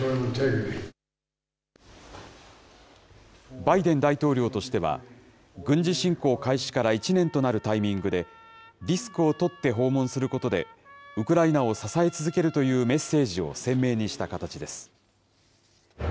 バイデン大統領としては、軍事侵攻開始から１年となるタイミングで、リスクを取って訪問することで、ウクライナを支え続けるというメッセージを鮮明にした形です。